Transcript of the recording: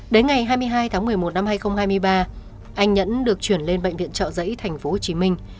đến ngày hai mươi hai tháng một mươi một năm hai nghìn hai mươi ba anh nhẫn được chuyển lên bệnh viện trợ giấy thành phố hồ chí minh